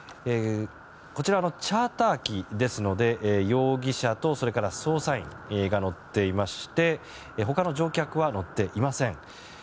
こちらはチャーター機ですので容疑者と捜査員が乗っていまして他の乗客は乗っていません。